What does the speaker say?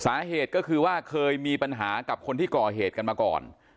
สาเหตุก็คือว่าเคยมีปัญหากับคนที่ก่อเหตุกันมาก่อน